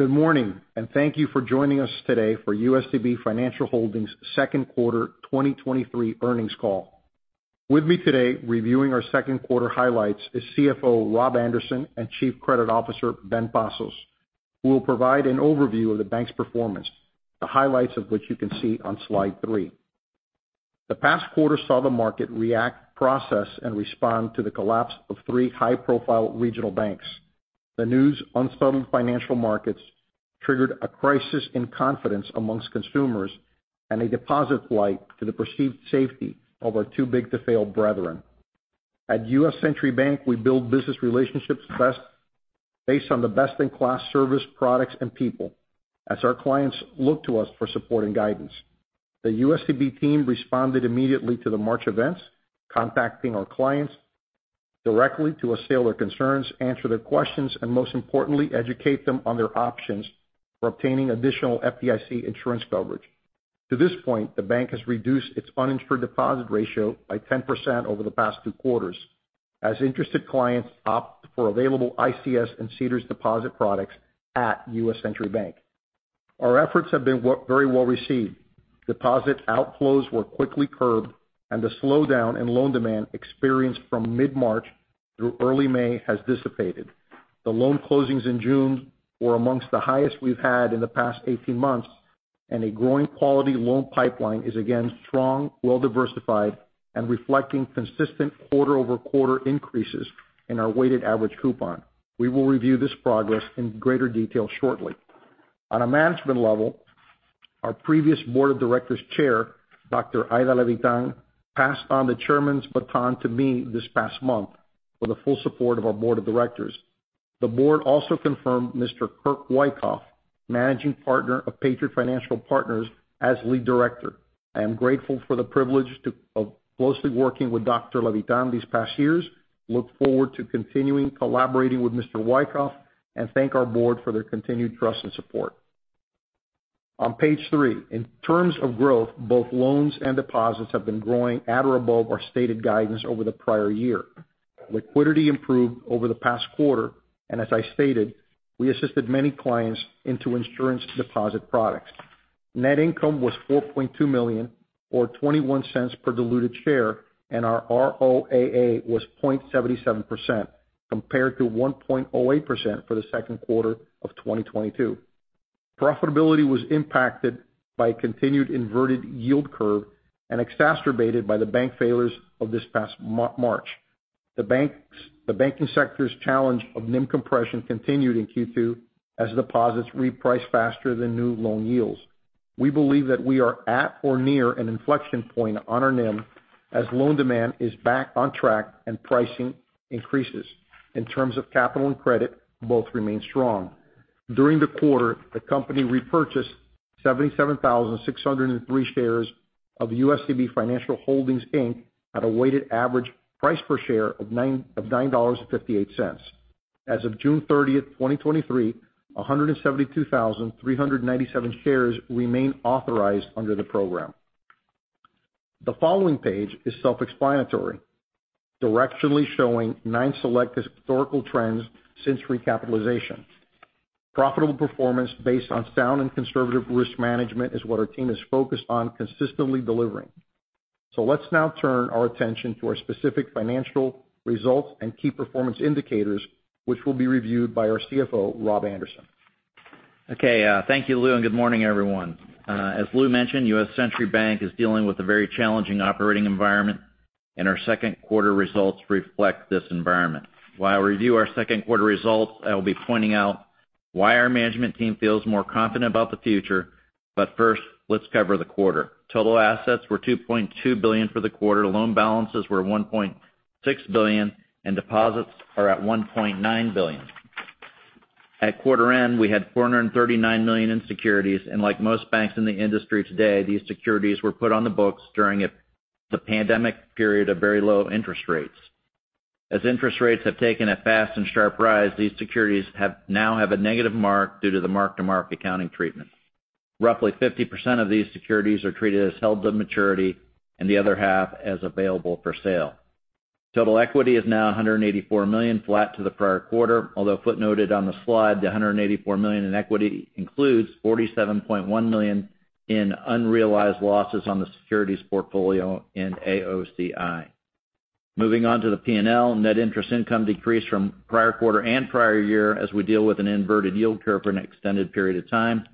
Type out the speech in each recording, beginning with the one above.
Good morning. Thank you for joining us today for USCB Financial Holdings' second quarter 2023 earnings call. With me today, reviewing our second quarter highlights is CFO Rob Anderson and Chief Credit Officer Bill Turner, who will provide an overview of the bank's performance, the highlights of which you can see on slide 3. The past quarter saw the market react, process, and respond to the collapse of 3 high-profile regional banks. The news unsettled financial markets, triggered a crisis in confidence amongst consumers, and a deposit flight to the perceived safety of our too-big-to-fail brethren. At U.S. Century Bank, we build business relationships best based on the best-in-class service, products, and people as our clients look to us for support and guidance. The USCB team responded immediately to the March events, contacting our clients directly to assuage their concerns, answer their questions, and most importantly, educate them on their options for obtaining additional FDIC insurance coverage. To this point, the bank has reduced its uninsured deposit ratio by 10% over the past two quarters as interested clients opt for available ICS and CDARS deposit products at U.S. Century Bank. Our efforts have been very well received. Deposit outflows were quickly curbed, and the slowdown in loan demand experienced from mid-March through early May has dissipated. The loan closings in June were amongst the highest we've had in the past 18 months, and a growing quality loan pipeline is again strong, well-diversified, and reflecting consistent quarter-over-quarter increases in our weighted average coupon. We will review this progress in greater detail shortly. On a management level, our previous board of directors chair, Dr. Aida Levitan, passed on the chairman's baton to me this past month with the full support of our board of directors. The board also confirmed Mr. Kirk Wyckoff, managing partner of Patriot Financial Partners, as lead director. I am grateful for the privilege to of closely working with Dr. Levitan these past years, look forward to continuing collaborating with Mr. Wyckoff, and thank our board for their continued trust and support. On page three, in terms of growth, both loans and deposits have been growing at or above our stated guidance over the prior year. Liquidity improved over the past quarter, As I stated, we assisted many clients into insurance deposit products. Net income was $4.2 million, or $0.21 per diluted share, and our ROAA was 0.77%, compared to 1.08% for the second quarter of 2022. Profitability was impacted by a continued inverted yield curve and exacerbated by the bank failures of this past March. The banking sector's challenge of NIM compression continued in Q2 as deposits repriced faster than new loan yields. We believe that we are at or near an inflection point on our NIM as loan demand is back on track and pricing increases. In terms of capital and credit, both remain strong. During the quarter, the company repurchased 77,603 shares of USCB Financial Holdings, Inc., at a weighted average price per share of $9.58. As of June 30, 2023, 172,397 shares remain authorized under the program. The following page is self-explanatory, directionally showing nine select historical trends since recapitalization. Profitable performance based on sound and conservative risk management is what our team is focused on consistently delivering. Let's now turn our attention to our specific financial results and key performance indicators, which will be reviewed by our CFO, Rob Anderson. Okay, thank you, Luis, and good morning, everyone. As Luis mentioned, U.S. Century Bank is dealing with a very challenging operating environment, and our second quarter results reflect this environment. While I review our second quarter results, I will be pointing out why our management team feels more confident about the future. First, let's cover the quarter. Total assets were $2.2 billion for the quarter, loan balances were $1.6 billion, and deposits are at $1.9 billion. At quarter end, we had $439 million in securities, and like most banks in the industry today, these securities were put on the books during the pandemic period of very low interest rates. As interest rates have taken a fast and sharp rise, these securities now have a negative mark due to the mark-to-market accounting treatment. Roughly 50% of these securities are treated as held to maturity and the other half as available for sale. Total equity is now $184 million, flat to the prior quarter, although footnoted on the slide, the $184 million in equity includes $47.1 million in unrealized losses on the securities portfolio and AOCI. Moving on to the P&L, net interest income decreased from prior quarter and prior year as we deal with an inverted yield curve for an extended period of time.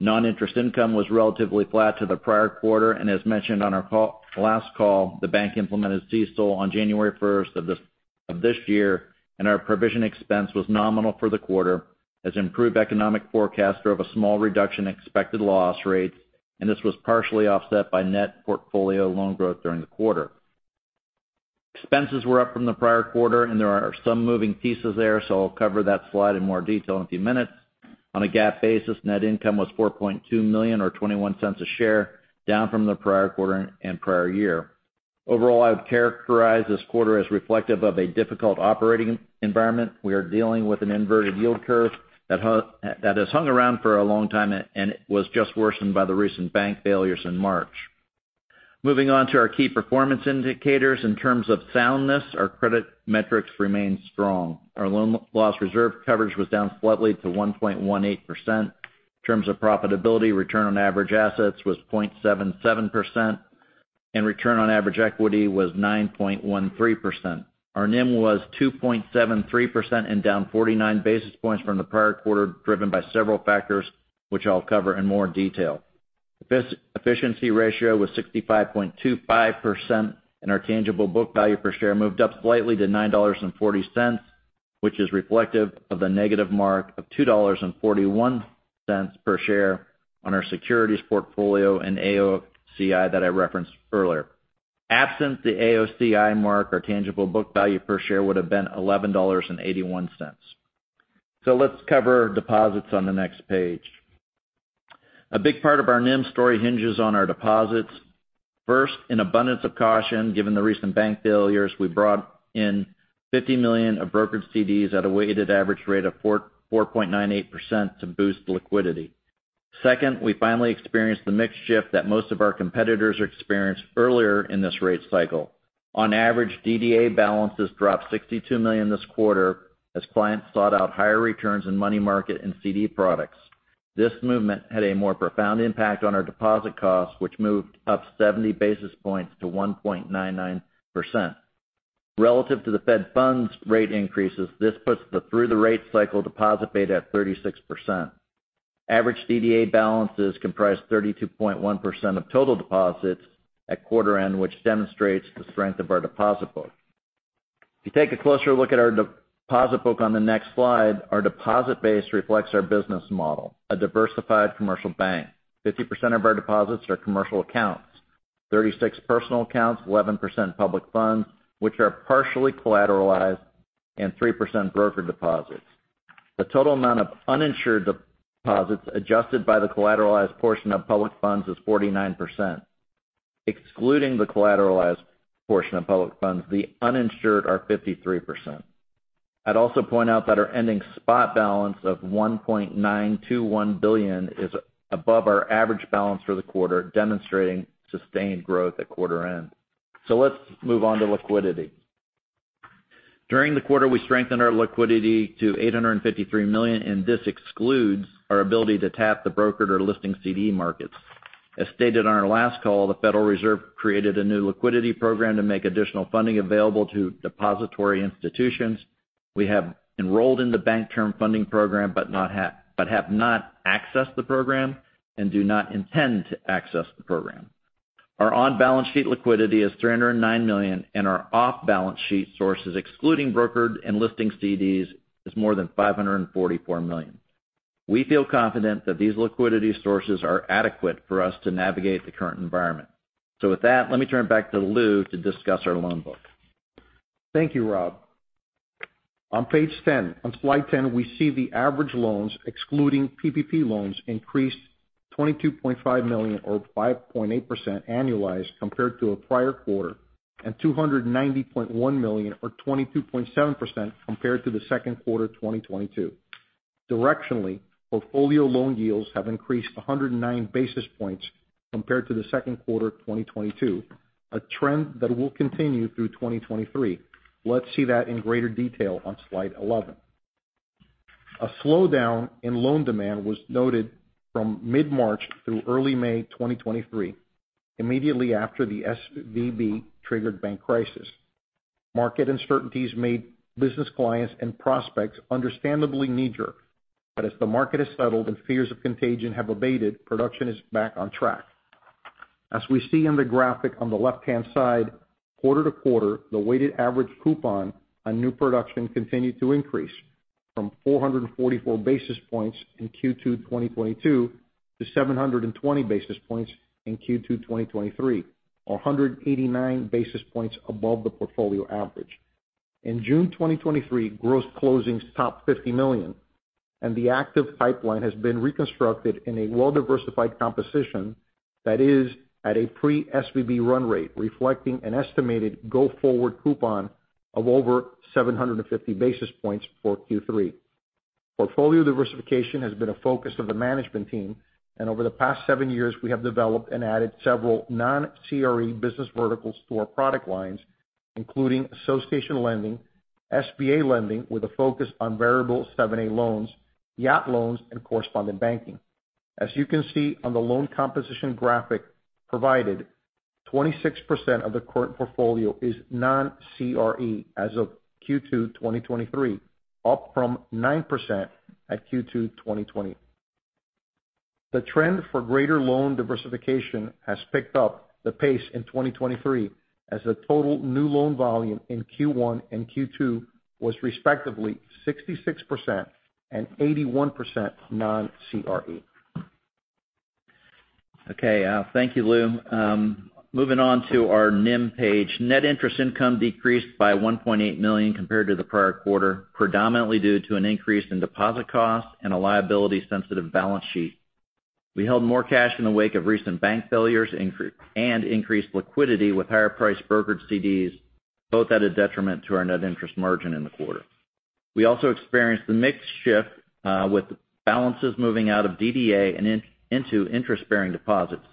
Non-interest income was relatively flat to the prior quarter, and as mentioned on our last call, the bank implemented CECL on January first of this year, and our provision expense was nominal for the quarter as improved economic forecasts drove a small reduction in expected loss rates, and this was partially offset by net portfolio loan growth during the quarter. Expenses were up from the prior quarter, and there are some moving pieces there, so I'll cover that slide in more detail in a few minutes. On a GAAP basis, net income was $4.2 million, or $0.21 a share, down from the prior quarter and prior year. Overall, I would characterize this quarter as reflective of a difficult operating environment. We are dealing with an inverted yield curve that has hung around for a long time. It was just worsened by the recent bank failures in March. Moving on to our key performance indicators. In terms of soundness, our credit metrics remain strong. Our loan loss reserve coverage was down slightly to 1.18%. In terms of profitability, return on average assets was 0.77%, and return on average equity was 9.13%. Our NIM was 2.73% and down 49 basis points from the prior quarter, driven by several factors which I'll cover in more detail. This efficiency ratio was 65.25%, our tangible book value per share moved up slightly to $9.40, which is reflective of the negative mark of $2.41 per share on our securities portfolio and AOCI that I referenced earlier. Absent the AOCI mark, our tangible book value per share would have been $11.81. Let's cover deposits on the next page. A big part of our NIM story hinges on our deposits. First, in abundance of caution, given the recent bank failures, we brought in $50 million of brokered CDs at a weighted average rate of 4.98% to boost liquidity. Second, we finally experienced the mix shift that most of our competitors experienced earlier in this rate cycle. On average, DDA balances dropped $62 million this quarter as clients sought out higher returns in money market and CD products. This movement had a more profound impact on our deposit costs, which moved up 70 basis points to 1.99%. Relative to the Fed funds rate increases, this puts the through the rate cycle deposit rate at 36%. Average DDA balances comprised 32.1% of total deposits at quarter end, which demonstrates the strength of our deposit book. If you take a closer look at our deposit book on the next slide, our deposit base reflects our business model, a diversified commercial bank. 50% of our deposits are commercial accounts, 36 personal accounts, 11% public funds, which are partially collateralized, and 3% broker deposits. The total amount of uninsured deposits, adjusted by the collateralized portion of public funds, is 49%. Excluding the collateralized portion of public funds, the uninsured are 53%. I'd also point out that our ending spot balance of $1.921 billion is above our average balance for the quarter, demonstrating sustained growth at quarter end. Let's move on to liquidity. During the quarter, we strengthened our liquidity to $853 million. This excludes our ability to tap the brokered or listing CD markets. As stated on our last call, the Federal Reserve created a new liquidity program to make additional funding available to depository institutions. We have enrolled in the Bank Term Funding program, but have not accessed the program and do not intend to access the program. Our on-balance sheet liquidity is $309 million, and our off-balance sheet sources, excluding brokered and listing CDs, is more than $544 million. We feel confident that these liquidity sources are adequate for us to navigate the current environment. With that, let me turn it back to Luis to discuss our loan book. Thank you, Rob. On page 10, on slide 10, we see the average loans, excluding PPP loans, increased $22.5 million or 5.8% annualized compared to a prior quarter, and $290.1 million or 22.7% compared to the second quarter of 2022. Directionally, portfolio loan yields have increased 109 basis points compared to the second quarter of 2022, a trend that will continue through 2023. Let's see that in greater detail on slide 11. A slowdown in loan demand was noted from mid-March through early May 2023, immediately after the SVB-triggered bank crisis. Market uncertainties made business clients and prospects understandably knee-jerk, as the market has settled and fears of contagion have abated, production is back on track. As we see in the graphic on the left-hand side, quarter to quarter, the weighted average coupon on new production continued to increase from 444 basis points in Q2 2022 to 720 basis points in Q2 2023, or 189 basis points above the portfolio average. In June 2023, gross closings topped $50 million. The active pipeline has been reconstructed in a well-diversified composition that is at a pre-SVB run rate, reflecting an estimated go-forward coupon of over 750 basis points for Q3. Portfolio diversification has been a focus of the management team. Over the past seven years, we have developed and added several non-CRE business verticals to our product lines, including association lending, SBA lending with a focus on variable 7(a) loans, yacht loans, and correspondent banking. As you can see on the loan composition graphic provided, 26% of the current portfolio is non-CRE as of Q2 2023, up from 9% at Q2 2020. The trend for greater loan diversification has picked up the pace in 2023, as the total new loan volume in Q1 and Q2 was respectively 66% and 81% non-CRE. Okay, thank you, Luis. Moving on to our NIM page. Net interest income decreased by $1.8 million compared to the prior quarter, predominantly due to an increase in deposit costs and a liability-sensitive balance sheet. We held more cash in the wake of recent bank failures and increased liquidity with higher-priced brokered CDs, both at a detriment to our net interest margin in the quarter. We also experienced the mix shift, with balances moving out of DDA and into interest-bearing deposits.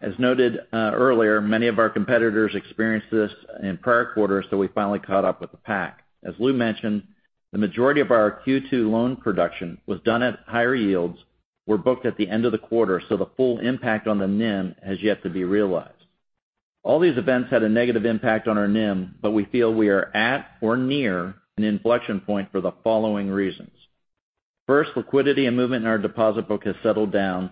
As noted, earlier, many of our competitors experienced this in prior quarters, so we finally caught up with the pack. As Luis mentioned, the majority of our Q2 loan production was done at higher yields, were booked at the end of the quarter, so the full impact on the NIM has yet to be realized. All these events had a negative impact on our NIM. We feel we are at or near an inflection point for the following reasons. First, liquidity and movement in our deposit book has settled down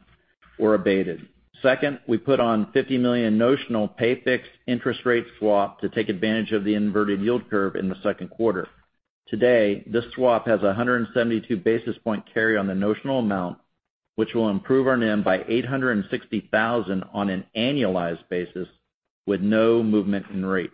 or abated. Second, we put on $50 million notional pay fixed interest rate swap to take advantage of the inverted yield curve in the second quarter. Today, this swap has a 172 basis point carry on the notional amount, which will improve our NIM by $860,000 on an annualized basis with no movement in rates.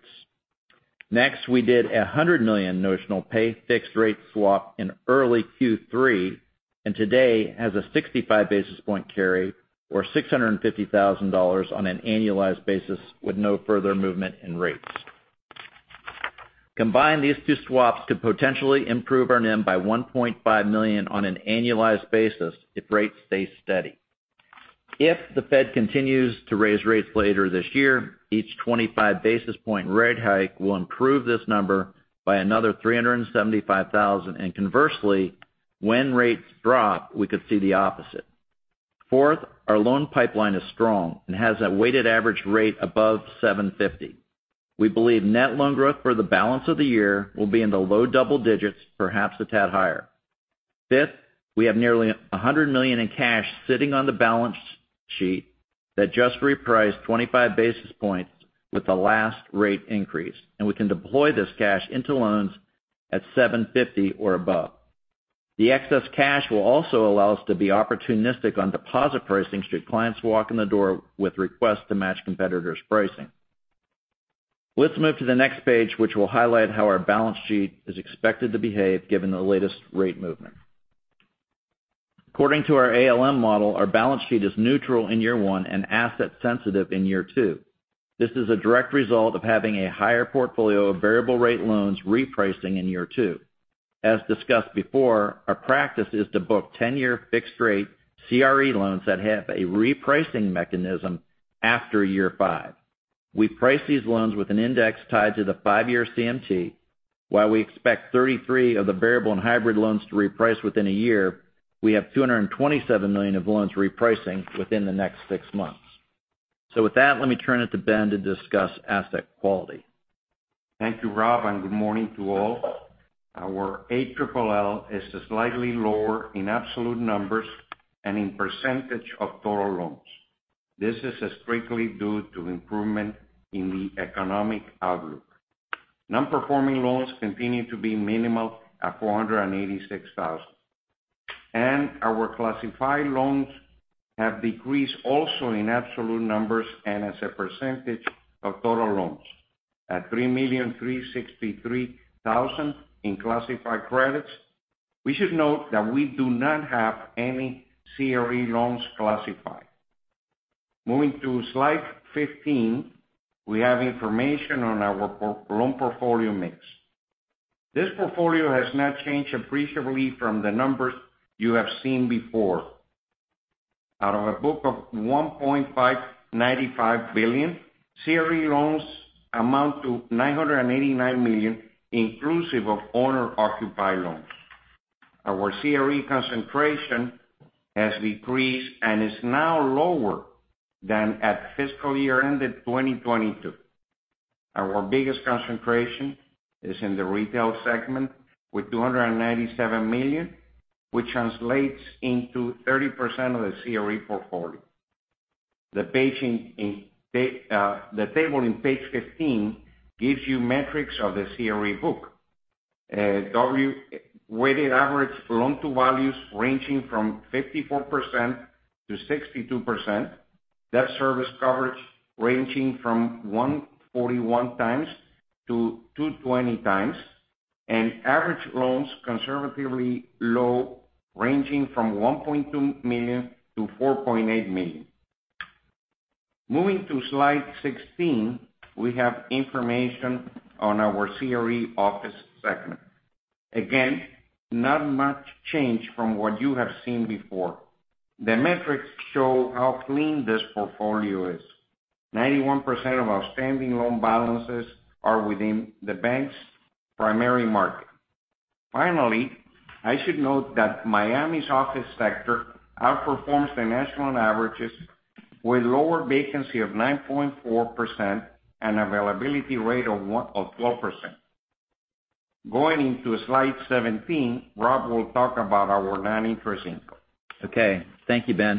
Next, we did a $100 million notional pay fixed rate swap in early Q3, and today, has a 65 basis point carry, or $650,000 on an annualized basis with no further movement in rates. Combined, these two swaps could potentially improve our NIM by $1.5 million on an annualized basis if rates stay steady. If the Fed continues to raise rates later this year, each 25 basis point rate hike will improve this number by another $375,000. Conversely, when rates drop, we could see the opposite. Fourth, our loan pipeline is strong and has a weighted average rate above 7.50. We believe net loan growth for the balance of the year will be in the low double digits, perhaps a tad higher. Fifth, we have nearly $100 million in cash sitting on the balance sheet that just repriced 25 basis points with the last rate increase, and we can deploy this cash into loans at 7.50 or above. The excess cash will also allow us to be opportunistic on deposit pricing, should clients walk in the door with requests to match competitors' pricing. Let's move to the next page, which will highlight how our balance sheet is expected to behave given the latest rate movement. According to our ALM model, our balance sheet is neutral in year 1 and asset sensitive in year 2. This is a direct result of having a higher portfolio of variable rate loans repricing in year 2. As discussed before, our practice is to book 10-year fixed rate CRE loans that have a repricing mechanism after year 5. We price these loans with an index tied to the 5-year CMT. While we expect 33 of the variable and hybrid loans to reprice within 1 year, we have $227 million of loans repricing within the next 6 months. With that, let me turn it to Bill to discuss asset quality. Thank you, Rob. Good morning to all. Our ALLL is slightly lower in absolute numbers and in percentage of total loans. This is strictly due to improvement in the economic outlook. Non-performing loans continue to be minimal at $486,000, and our classified loans have decreased also in absolute numbers and as a percentage of total loans, at $3,363,000 in classified credits. We should note that we do not have any CRE loans classified. Moving to slide 15, we have information on our loan portfolio mix. This portfolio has not changed appreciably from the numbers you have seen before. Out of a book of $1.595 billion, CRE loans amount to $989 million, inclusive of owner-occupied loans. Our CRE concentration has decreased and is now lower than at fiscal year ended 2022. Our biggest concentration is in the retail segment, with $297 million, which translates into 30% of the CRE portfolio. The table in page 15 gives you metrics of the CRE book. Weighted average loan to values ranging from 54%-62%. Debt service coverage ranging from 1.41 times to 2.20 times, and average loans conservatively low, ranging from $1.2 million-$4.8 million. Moving to slide 16, we have information on our CRE office segment. Again, not much change from what you have seen before. The metrics show how clean this portfolio is. 91% of outstanding loan balances are within the bank's primary market. Finally, I should note that Miami's office sector outperforms the national averages with lower vacancy of 9.4% and availability rate of 12%. Going into slide 17, Rob will talk about our non-interest income. Okay. Thank you, Bill.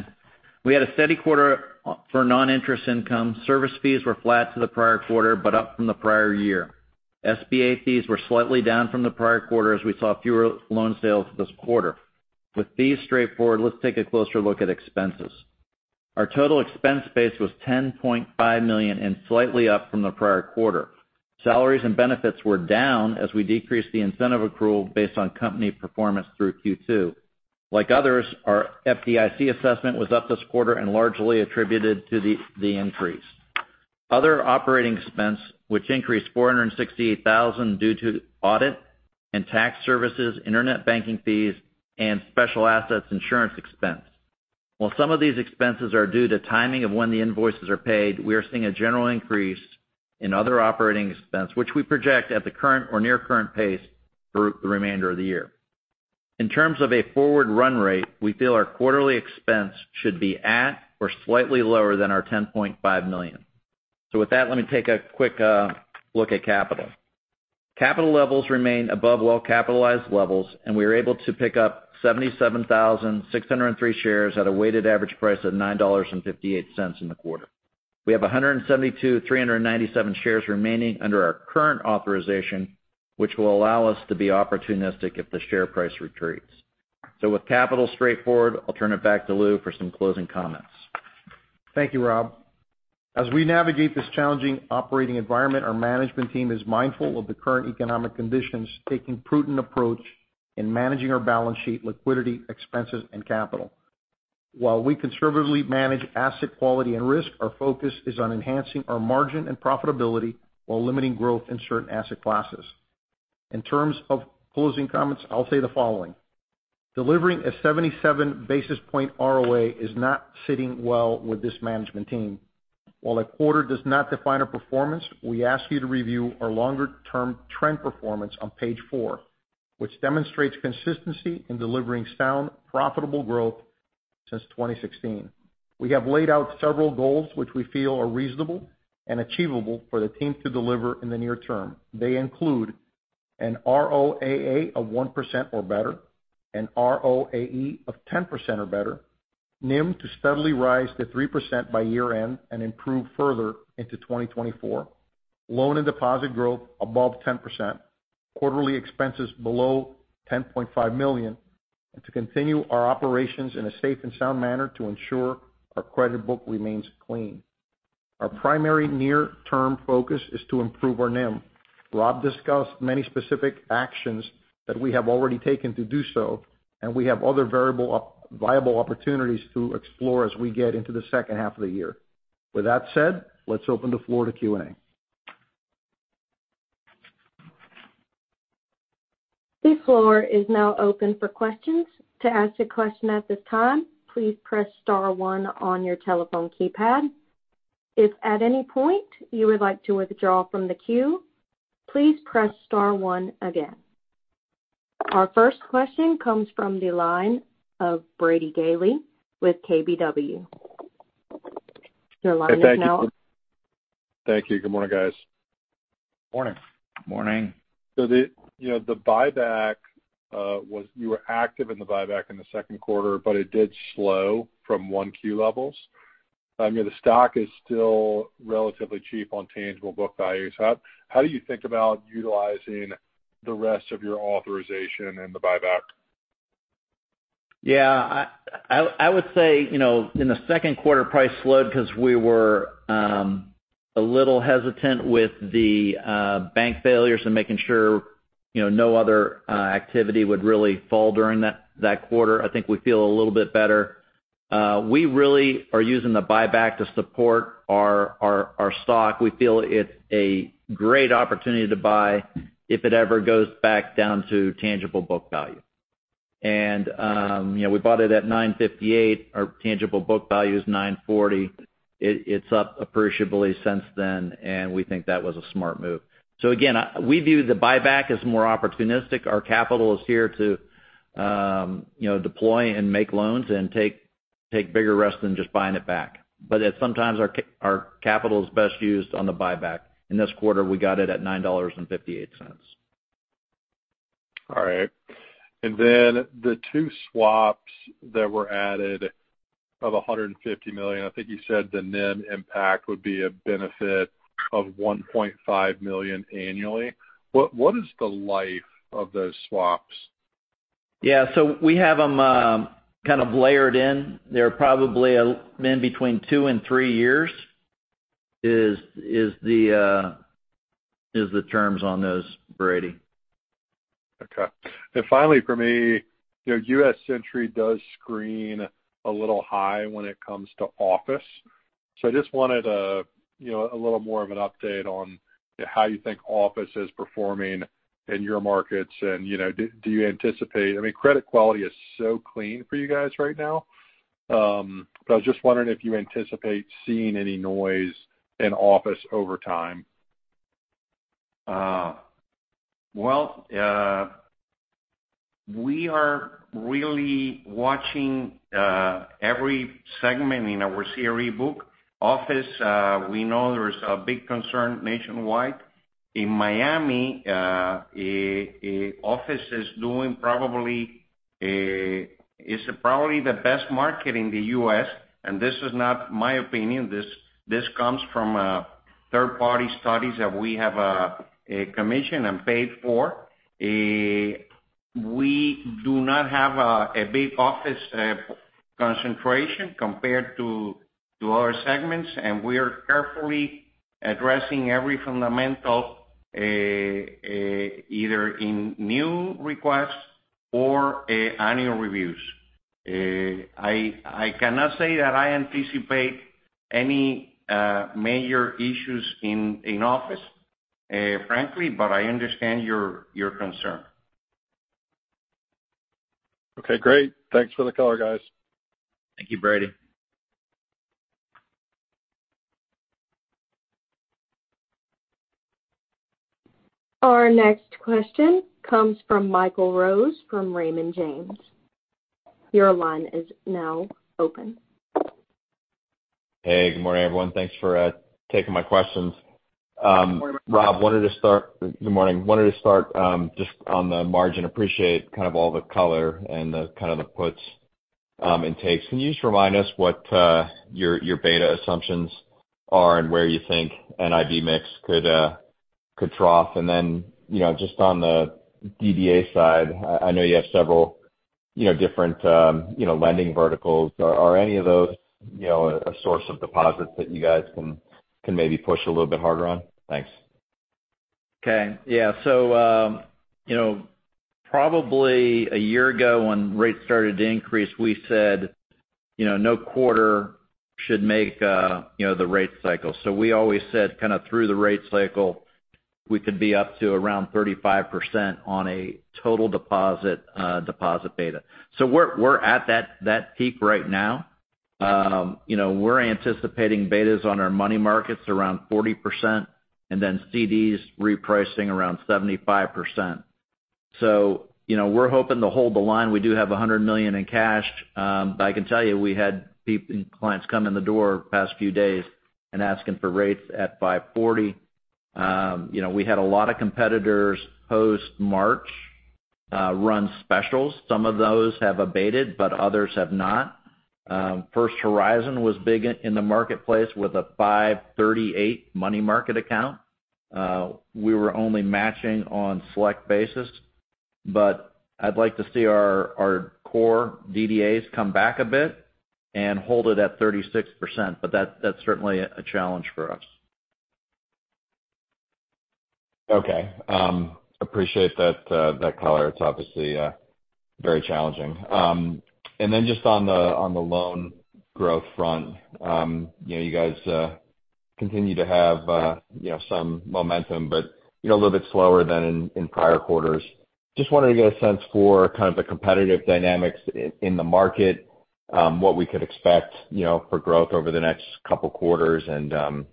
We had a steady quarter for non-interest income. Service fees were flat to the prior quarter, up from the prior year. SBA fees were slightly down from the prior quarter, as we saw fewer loan sales this quarter. With fees straightforward, let's take a closer look at expenses. Our total expense base was $10.5 million and slightly up from the prior quarter. Salaries and benefits were down as we decreased the incentive accrual based on company performance through Q2. Like others, our FDIC assessment was up this quarter and largely attributed to the increase.... other operating expense, which increased $468,000 due to audit and tax services, internet banking fees, and special assets insurance expense. While some of these expenses are due to timing of when the invoices are paid, we are seeing a general increase in other operating expense, which we project at the current or near current pace through the remainder of the year. In terms of a forward run rate, we feel our quarterly expense should be at or slightly lower than our $10.5 million. With that, let me take a quick look at capital. Capital levels remain above well-capitalized levels, and we were able to pick up 77,603 shares at a weighted average price of $9.58 in the quarter. We have 172,397 shares remaining under our current authorization, which will allow us to be opportunistic if the share price retreats. With capital straightforward, I'll turn it back to Luis for some closing comments. Thank you, Rob. As we navigate this challenging operating environment, our management team is mindful of the current economic conditions, taking prudent approach in managing our balance sheet, liquidity, expenses, and capital. While we conservatively manage asset quality and risk, our focus is on enhancing our margin and profitability while limiting growth in certain asset classes. In terms of closing comments, I'll say the following: delivering a 77 basis point ROA is not sitting well with this management team. While a quarter does not define a performance, we ask you to review our longer-term trend performance on page four, which demonstrates consistency in delivering sound, profitable growth since 2016. We have laid out several goals which we feel are reasonable and achievable for the team to deliver in the near term. They include an ROAA of 1% or better, an ROAE of 10% or better, NIM to steadily rise to 3% by year-end and improve further into 2024, loan and deposit growth above 10%, quarterly expenses below $10.5 million, and to continue our operations in a safe and sound manner to ensure our credit book remains clean. Our primary near-term focus is to improve our NIM. Rob discussed many specific actions that we have already taken to do so. We have other variable viable opportunities to explore as we get into the second half of the year. With that said, let's open the floor to Q&A. The floor is now open for questions. To ask a question at this time, please press star one on your telephone keypad. If at any point you would like to withdraw from the queue, please press star one again. Our first question comes from the line of Brady Gailey with KBW. Your line is now- Thank you. Good morning, guys. Morning. Morning. The, you know, the buyback, you were active in the buyback in the second quarter, but it did slow from 1Q levels. I mean, the stock is still relatively cheap on tangible book values. How, how do you think about utilizing the rest of your authorization in the buyback? Yeah, I, I, I would say, you know, in the second quarter, price slowed because we were a little hesitant with the bank failures and making sure, you know, no other activity would really fall during that, that quarter. I think we feel a little bit better. We really are using the buyback to support our, our, our stock. We feel it's a great opportunity to buy if it ever goes back down to tangible book value. You know, we bought it at $9.58. Our tangible book value is $9.40. It, it's up appreciably since then, and we think that was a smart move. Again, we view the buyback as more opportunistic. Our capital is here to, you know, deploy and make loans and take, take bigger risks than just buying it back. Sometimes our capital is best used on the buyback. In this quarter, we got it at $9.58. All right. Then the 2 swaps that were added of $150 million, I think you said the NIM impact would be a benefit of $1.5 million annually. What, what is the life of those swaps? Yeah. We have them, kind of layered in. They're probably, in between two and three years, is, is the, is the terms on those, Brady. Okay. Finally, for me, you know, U.S. Century does screen a little high when it comes to office. I just wanted a, you know, a little more of an update on how you think office is performing in your markets. You know, do, do you anticipate-- I mean, credit quality is so clean for you guys right now. I was just wondering if you anticipate seeing any noise in office over time? Well, we are really watching every segment in our CRE book. Office, we know there is a big concern nationwide. In Miami, office is doing probably, it's probably the best market in the U.S., and this is not my opinion. This, this comes from third-party studies that we have commissioned and paid for. We do not have a, a big office concentration compared to, to our segments, and we are carefully addressing every fundamental, either in new requests or annual reviews. I, I cannot say that I anticipate any major issues in, in office, frankly, but I understand your, your concern. Okay, great. Thanks for the color, guys. Thank you, Brady. Our next question comes from Michael Rose, from Raymond James. Your line is now open. Hey, good morning, everyone. Thanks for taking my questions. Rob, wanted to start, good morning. Wanted to start just on the margin. Appreciate kind of all the color and the kind of the puts and takes. Can you just remind us what your beta assumptions are and where you think NIB mix could trough? Then, you know, just on the DDA side, I, I know you have several, you know, different, you know, lending verticals. Are any of those, you know, a source of deposits that you guys can maybe push a little bit harder on? Thanks. Okay. Yeah. You know, probably a year ago, when rates started to increase, we said, you know, no quarter should make, you know, the rate cycle. We always said, kind of through the rate cycle, we could be up to around 35% on a total deposit, deposit beta. We're, we're at that, that peak right now. You know, we're anticipating betas on our money markets around 40%, and then CDs repricing around 75%. You know, we're hoping to hold the line. We do have $100 million in cash. I can tell you, we had clients come in the door the past few days and asking for rates at 5.40%. You know, we had a lot of competitors, post-March, run specials. Some of those have abated, but others have not. First Horizon was big in, in the marketplace with a 5.38 money market account. We were only matching on select basis, but I'd like to see our, our core DDAs come back a bit and hold it at 36%, but that, that's certainly a challenge for us. Okay. appreciate that, that color. It's obviously, very challenging. Then just on the, on the loan growth front, you know, you guys continue to have, you know, some momentum, but, you know, a little bit slower than in, in prior quarters. Just wanted to get a sense for kind of the competitive dynamics i-in the market, what we could expect, you know, for growth over the next couple quarters, and,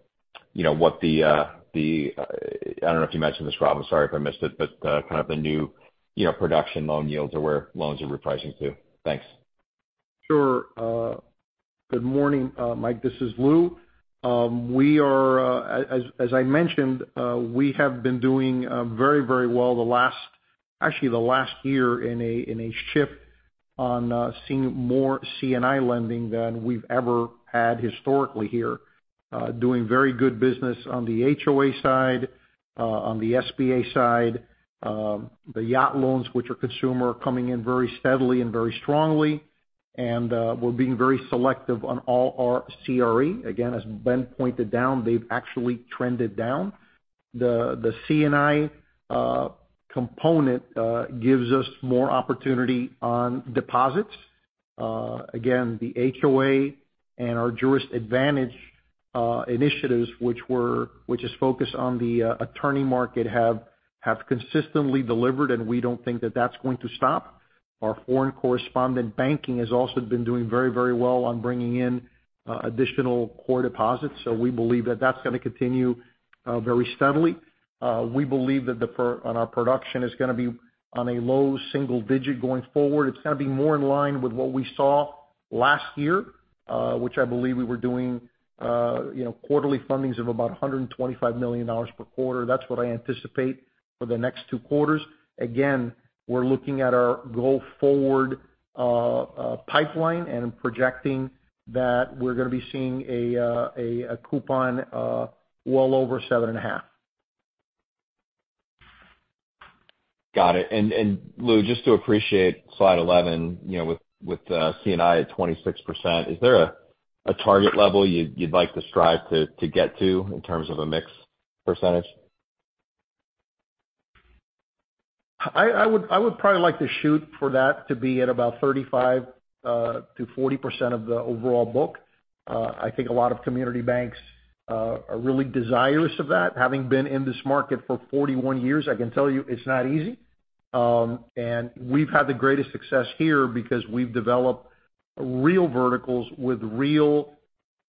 you know, what the, the... I don't know if you mentioned this, Rob, I'm sorry if I missed it, but, kind of the new, you know, production loan yields or where loans are repricing to. Thanks. Sure. Good morning, Mike, this is Luis. We are, as, as I mentioned, we have been doing very, very well actually the last year in a, in a shift on seeing more C&I lending than we've ever had historically here. Doing very good business on the HOA side, on the SBA side, the yacht loans, which are consumer, are coming in very steadily and very strongly. We're being very selective on all our CRE. Again, as Ben pointed down, they've actually trended down. The, the C&I component gives us more opportunity on deposits. Again, the HOA and our Jurist Advantage initiatives, which is focused on the attorney market, have consistently delivered, and we don't think that that's going to stop. Our foreign correspondent banking has also been doing very, very well on bringing in additional core deposits, so we believe that that's gonna continue very steadily. We believe that the on our production is gonna be on a low single digit going forward. It's gonna be more in line with what we saw last year, which I believe we were doing, you know, quarterly fundings of about $125 million per quarter. That's what I anticipate for the next two quarters. Again, we're looking at our go-forward pipeline and projecting that we're gonna be seeing a, a, a coupon, well over 7.5. Got it. Luis, just to appreciate slide 11, you know, with, with, C&I at 26%, is there a, a target level you'd, you'd like to strive to, to get to in terms of a mix percentage? I would probably like to shoot for that to be at about 35%-40% of the overall book. I think a lot of community banks are really desirous of that. Having been in this market for 41 years, I can tell you, it's not easy. We've had the greatest success here because we've developed real verticals with real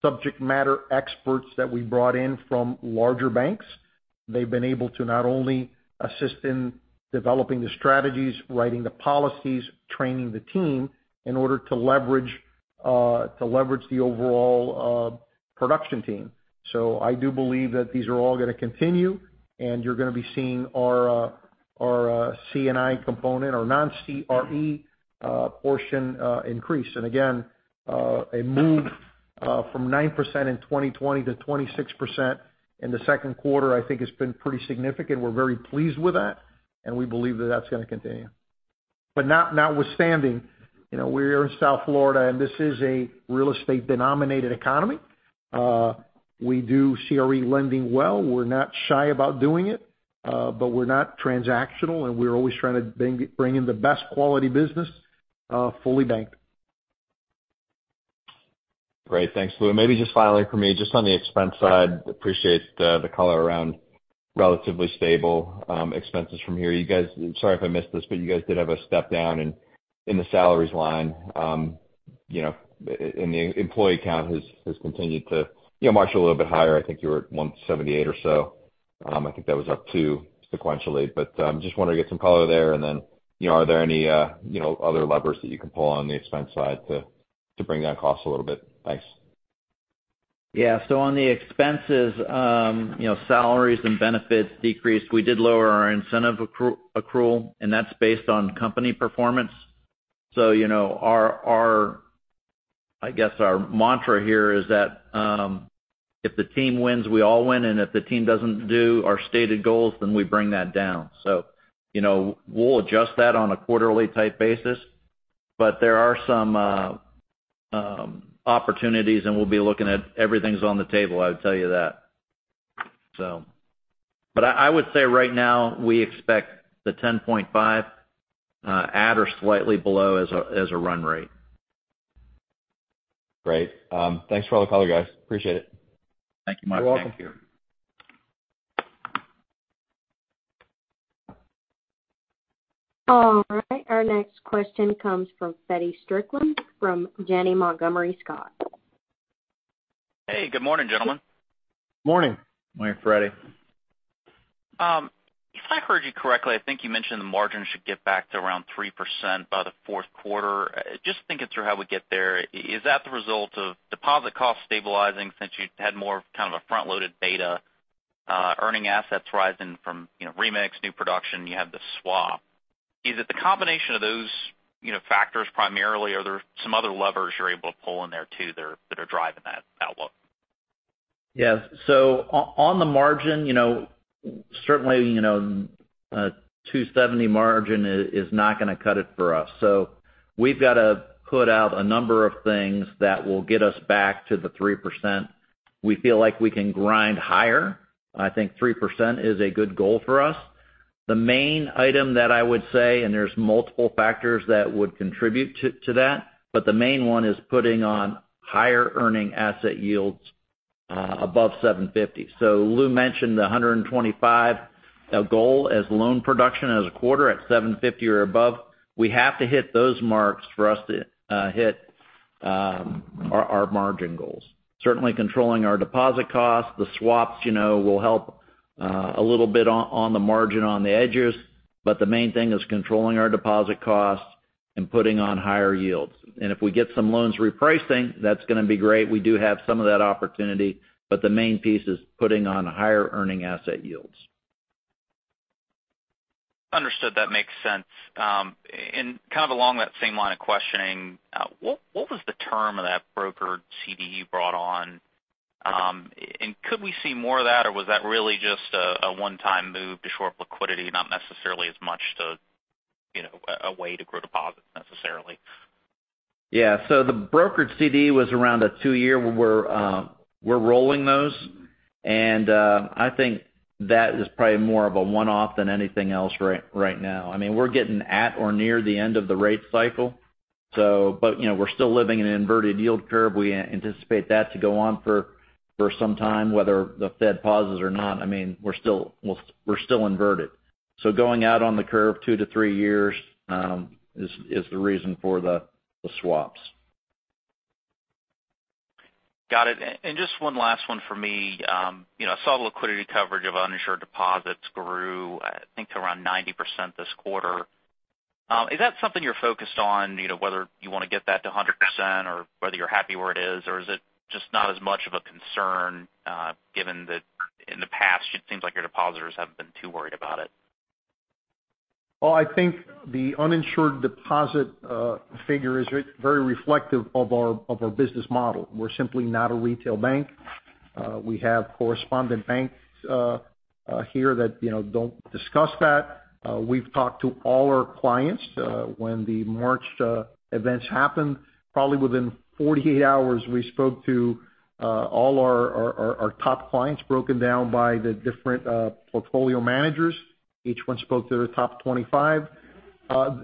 subject matter experts that we brought in from larger banks. They've been able to not only assist in developing the strategies, writing the policies, training the team, in order to leverage the overall production team. I do believe that these are all gonna continue, and you're gonna be seeing our C&I component, our non-CRE portion increase. Again, a move from 9% in 2020 to 26% in the second quarter, I think has been pretty significant. We're very pleased with that, and we believe that that's gonna continue. Notwithstanding, you know, we're in South Florida, and this is a real estate-denominated economy. We do CRE lending well. We're not shy about doing it, but we're not transactional, and we're always trying to bring, bring in the best quality business, fully banked. Great. Thanks, Luis. Maybe just finally for me, just on the expense side, appreciate the, the color around relatively stable expenses from here. You guys, sorry if I missed this, but you guys did have a step down in, in the salaries line. You know, and the employee count has, has continued to, you know, march a little bit higher. I think you were at 178 or so. I think that was up 2 sequentially, but just wanted to get some color there. Then, you know, are there any, you know, other levers that you can pull on the expense side to, to bring down costs a little bit? Thanks. Yeah. On the expenses, you know, salaries and benefits decreased. We did lower our incentive accrual, that's based on company performance. You know, our, our... I guess, our mantra here is that if the team wins, we all win, and if the team doesn't do our stated goals, then we bring that down. You know, we'll adjust that on a quarterly-type basis, there are some opportunities, we'll be looking at everything's on the table, I would tell you that. I, I would say right now, we expect the 10.5 at or slightly below as a, as a run rate. Great. Thanks for all the color, guys. Appreciate it. Thank you, Mike. You're welcome. Thank you. All right, our next question comes from Feddie Strickland from Janney Montgomery Scott. Hey, good morning, gentlemen. Morning. Morning, Freddy. If I heard you correctly, I think you mentioned the margin should get back to around 3% by the fourth quarter. Just thinking through how we get there, is that the result of deposit costs stabilizing since you've had more of kind of a front-loaded beta, earning assets rising from, you know, remix, new production, you have the swap? Is it the combination of those, you know, factors primarily, or are there some other levers you're able to pull in there too, that are, that are driving that outlook? Yes. on the margin, you know, certainly, you know, 2.70% margin is not gonna cut it for us. We've got to put out a number of things that will get us back to the 3%. We feel like we can grind higher. I think 3% is a good goal for us. The main item that I would say, and there's multiple factors that would contribute to, to that, but the main one is putting on higher earning asset yields above 7.50%. Luis mentioned the $125 million goal as loan production as a quarter at 7.50% or above. We have to hit those marks for us to hit our, our margin goals. Certainly, controlling our deposit costs, the swaps, you know, will help a little bit on the margin, on the edges, but the main thing is controlling our deposit costs and putting on higher yields. If we get some loans repricing, that's gonna be great. We do have some of that opportunity, but the main piece is putting on higher earning asset yields. Understood. That makes sense. Kind of along that same line of questioning, what was the term of that brokered CD you brought on? And could we see more of that, or was that really just a one-time move to shore up liquidity, not necessarily as much to, you know, a way to grow deposits necessarily? Yeah. The brokered CD was around a 2-year, where we're, we're rolling those. I think that is probably more of a 1-off than anything else right now. I mean, we're getting at or near the end of the rate cycle, so. You know, we're still living in an inverted yield curve. We anticipate that to go on for some time, whether the Fed pauses or not. I mean, we're still, we're still inverted. Going out on the curve 2-3 years, is the reason for the swaps. Got it. Just one last one for me. You know, I saw the liquidity coverage of uninsured deposits grew, I think, to around 90% this quarter. Is that something you're focused on, you know, whether you want to get that to 100% or whether you're happy where it is, or is it just not as much of a concern, given that in the past, it seems like your depositors haven't been too worried about it? Well, I think the uninsured deposit figure is very reflective of our, of our business model. We're simply not a retail bank. We have correspondent banks here that, you know, don't discuss that. We've talked to all our clients. When the March events happened, probably within 48 hours, we spoke to all our, our, our top clients, broken down by the different portfolio managers. Each one spoke to their top 25.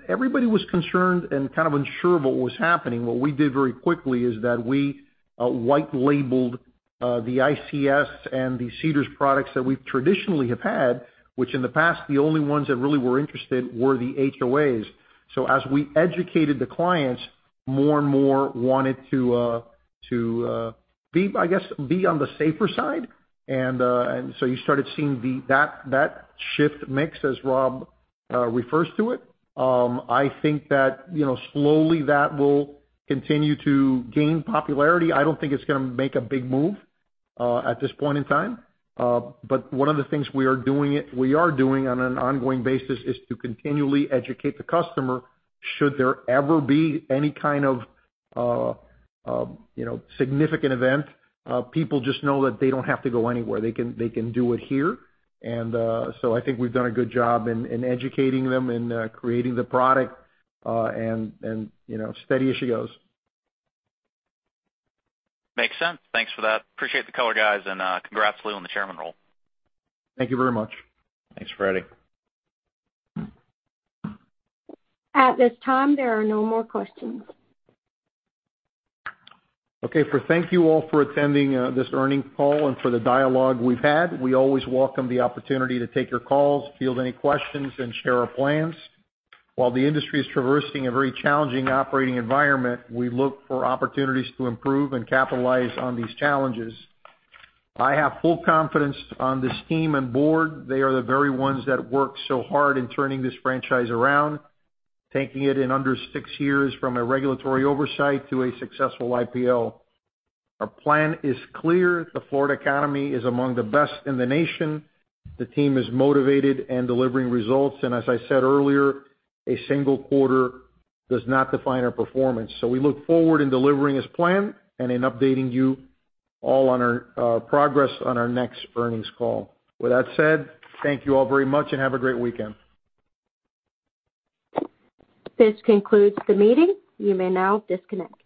Everybody was concerned and kind of unsure of what was happening. What we did very quickly is that we white labeled the ICS and the CDARS products that we traditionally have had, which in the past, the only ones that really were interested were the HOAs. As we educated the clients, more and more wanted to be, I guess, be on the safer side. You started seeing the, that, that shift mix, as Rob refers to it. I think that, you know, slowly that will continue to gain popularity. I don't think it's gonna make a big move at this point in time. One of the things we are doing on an ongoing basis is to continually educate the customer. Should there ever be any kind of, you know, significant event, people just know that they don't have to go anywhere. They can, they can do it here. I think we've done a good job in, in educating them and creating the product, and, and, you know, steady as she goes. Makes sense. Thanks for that. Appreciate the color, guys, and, congrats, Luis, on the chairman role. Thank you very much. Thanks, Freddy. At this time, there are no more questions. Thank you all for attending this earnings call and for the dialogue we've had. We always welcome the opportunity to take your calls, field any questions, and share our plans. While the industry is traversing a very challenging operating environment, we look for opportunities to improve and capitalize on these challenges. I have full confidence on this team and board. They are the very ones that worked so hard in turning this franchise around, taking it in under six years from a regulatory oversight to a successful IPO. Our plan is clear. The Florida economy is among the best in the nation. The team is motivated and delivering results. As I said earlier, a single quarter does not define our performance. We look forward in delivering as planned and in updating you all on our progress on our next earnings call. With that said, thank you all very much and have a great weekend. This concludes the meeting. You may now disconnect.